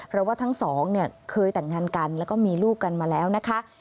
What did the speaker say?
เพราะว่าทั้งสองเนี่ยเคยแต่งงานกันแล้วก็มีลูกกันมาแล้วนะคะ